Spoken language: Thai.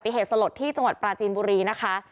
เหตุสลดที่จังหวัดปราจีนบุรีนะคะ